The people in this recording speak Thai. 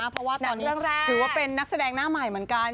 เพราะว่าตอนนี้ถือว่าเป็นนักแสดงหน้าใหม่เหมือนกัน